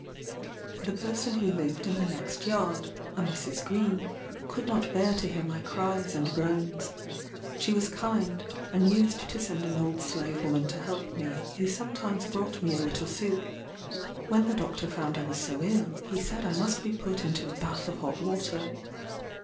The person who lived in next yard, (a Mrs. Greene,) could not bear to hear my cries and groans. She was kind, and used to send an old slave woman to help me, who sometimes brought me a little soup. When the doctor found I was so ill, he said I must be put into a bath of hot water.